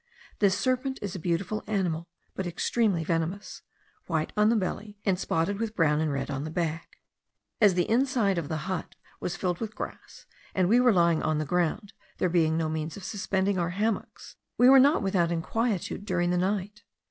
This serpent is a beautiful animal, but extremely venomous, white on the belly, and spotted with brown and red on the back. As the inside of the hut was filled with grass, and we were lying on the ground, there being no means of suspending our hammocks, we were not without inquietude during the night.